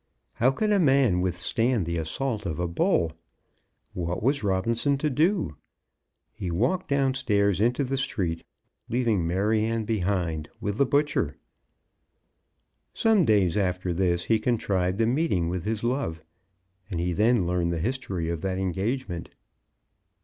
How can a man withstand the assault of a bull? What was Robinson to do? He walked downstairs into the street, leaving Maryanne behind with the butcher. Some days after this he contrived a meeting with his love, and he then learned the history of that engagement.